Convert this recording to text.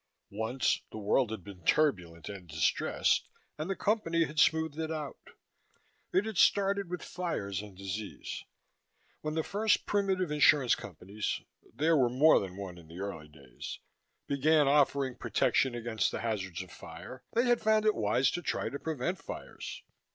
Once the world had been turbulent and distressed, and the Company had smoothed it out. It had started with fires and disease. When the first primitive insurance companies there were more than one, in the early days began offering protection against the hazards of fire, they had found it wise to try to prevent fires.